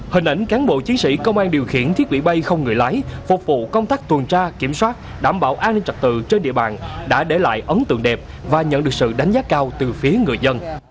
hình ảnh cán bộ chiến sĩ công an điều khiển thiết bị bay không người lái phục vụ công tác tuần tra kiểm soát đảm bảo an ninh trật tự trên địa bàn đã để lại ấn tượng đẹp và nhận được sự đánh giá cao từ phía người dân